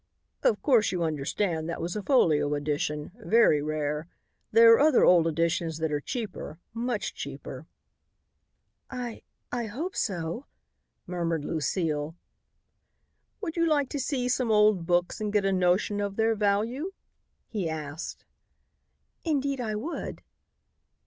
"Of course you understand that was a folio edition, very rare. There are other old editions that are cheaper, much cheaper." "I I hope so," murmured Lucile. "Would you like to see some old books and get a notion of their value?" he asked. "Indeed I would."